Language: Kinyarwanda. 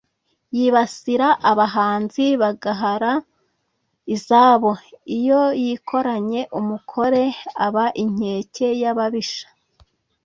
Yibasira abahanzi bagahara izabo. Iyo yikoranye umukore aba inkeke y' ababisha;